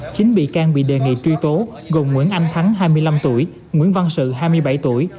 chính bị can bị đề nghị truy tố gồm nguyễn anh thắng hai mươi năm tuổi nguyễn văn sự hai mươi bảy tuổi